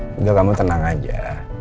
enggak kamu tenang aja